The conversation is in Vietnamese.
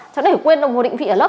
cháu để quên đồng hồ định vị ở lớp